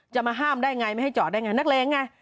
จะมาห้ามได้ไงไม่ให้จอดได้ไงนักเลงไง